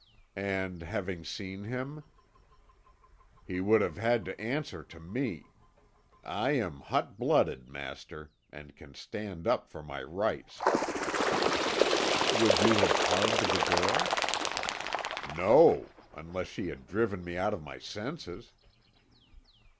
"And having seen him?" "He would have had to answer to me. I am hot blooded, master, and can stand up for my rights." "Would you have harmed the girl?" "No, unless she had driven me out of my senses."